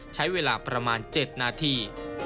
ใช้เวลาประมาณ๗นาที